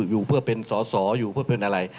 อยู่เพื่อเป็นสอสออยู่เพื่อเป็นอะไร